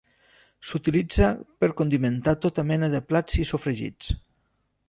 S'utilitza per condimentar tota mena de plats i sofregits.